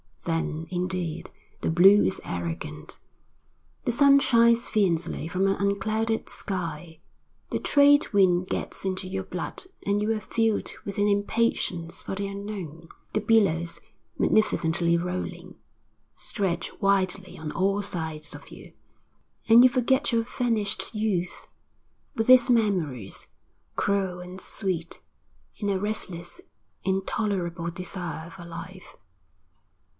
Then, indeed, the blue is arrogant. The sun shines fiercely from an unclouded sky. The trade wind gets into your blood and you are filled with an impatience for the unknown. The billows, magnificently rolling, stretch widely on all sides of you, and you forget your vanished youth, with its memories, cruel and sweet, in a restless, intolerable desire for life.